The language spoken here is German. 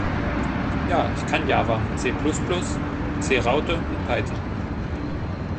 Ja, ich kann Java, C Plus Plus, C Raute und Python.